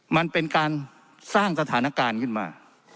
มันเป็นการสร้างสถานการณ์ขึ้นมา